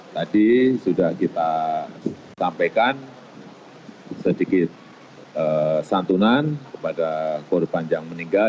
tadi sudah kita sampaikan sedikit santunan kepada korban yang meninggal